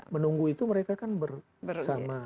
menunggu itu mereka kan bersama